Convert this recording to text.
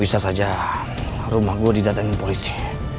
bisa saja rumah gue didatangin polisi